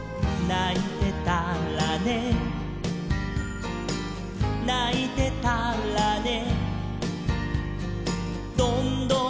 「ないてたらねないてたらね」